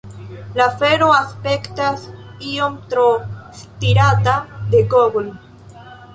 La afero aspektas iom tro stirata de Google.